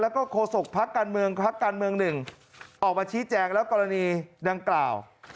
และควศกพักกันเมือง๑ออกมาชี้แจงกรณีดังกล่าว